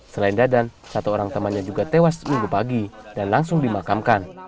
selain dadan satu orang temannya juga tewas minggu pagi dan langsung dimakamkan